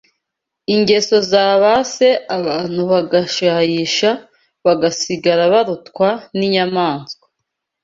ingeso zabase abantu bagashayisha bagasigara barutwa n’inyamaswa